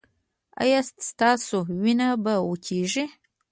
ایا ستاسو وینه به وچیږي؟